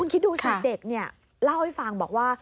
คุณคิดดูสักทีเด็กเล่าให้ฟังบอกว่า